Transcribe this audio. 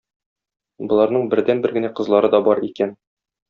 Боларның бердәнбер генә кызлары да бар икән.